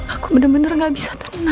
aku bener bener gak bisa tenang ya allah